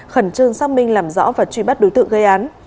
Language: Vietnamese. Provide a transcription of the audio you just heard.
khẩn trương xác minh làm rõ và truy bắt đối tượng gây án